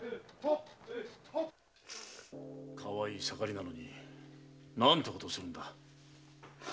かわいい盛りなのに何てことをするんだ。